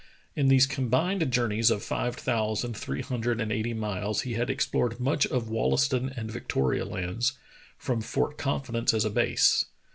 In these combined journeys of five thousand three hundred and eighty miles he had explored much of Wollaston and Victoria Lands, from Fort Confidence as a base.